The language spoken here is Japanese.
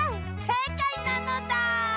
せいかいなのだ！